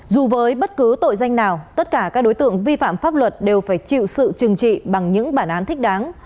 dù với bất cứ tội danh nào tất cả các đối tượng vi phạm pháp luật đều phải chịu sự trừng trị bằng những bản án thích đáng